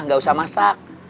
enggak usah masak